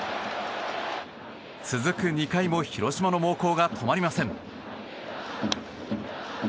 続く２回も広島の猛攻が止まりません。